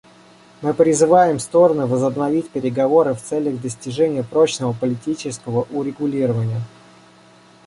Мы призываем стороны возобновить переговоры в целях достижения прочного политического урегулирования.